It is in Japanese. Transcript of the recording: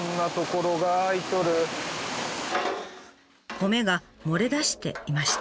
米が漏れ出していました。